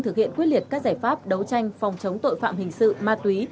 thực hiện quyết liệt các giải pháp đấu tranh phòng chống tội phạm hình sự ma túy